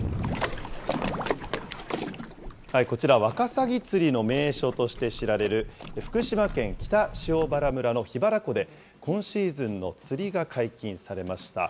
こちら、ワカサギ釣りの名所として知られる福島県北塩原村の桧原湖で、今シーズンの釣りが解禁されました。